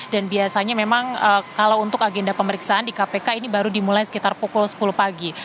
dan biasanya memang kalau untuk agenda pemeriksaan di kpk ini baru dimulai sekitar pukul sepuluh pagi